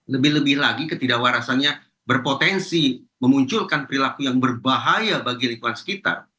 lebih lebih lagi ketidakwarasannya berpotensi memunculkan perilaku yang berbahaya bagi lingkungan sekitar